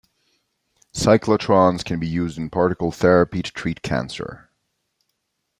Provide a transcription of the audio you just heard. Cyclotrons can be used in particle therapy to treat cancer.